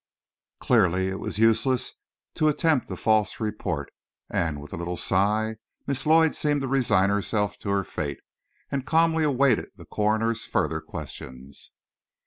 Clearly, it was useless to attempt a false report, and, with a little sigh, Miss Lloyd seemed to resign herself to her fate, and calmly awaited the coroner's further questions.